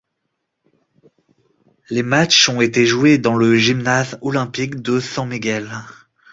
Les matchs ont été joués dans le gymnase olympique de San Miguel.